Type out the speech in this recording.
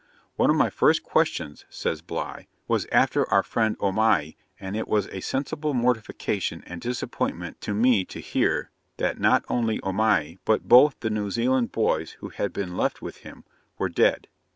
'One of my first questions,' says Bligh, 'was after our friend Omai; and it was a sensible mortification and disappointment to me to hear, that not only Omai, but both the New Zealand boys who had been left with him, were dead.